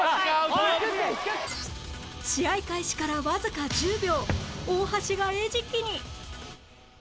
試合開始からわずか１０秒大橋が餌食に